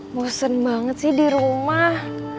bosen banget sih di rumah